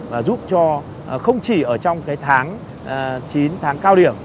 và giúp cho không chỉ ở trong cái tháng chín tháng cao điểm